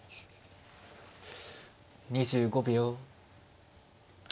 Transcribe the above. ２５秒。